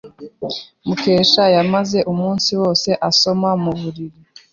Mukesha yamaze umunsi wose asoma mu buriri.